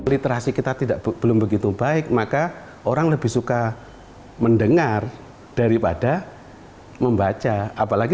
literasi kita tidak belum begitu baik maka orang lebih suka mendengar daripada membaca apalagi